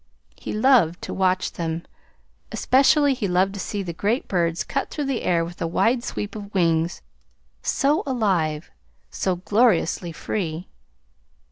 He loved to watch them. Especially he loved to see the great birds cut through the air with a wide sweep of wings, so alive, so gloriously free!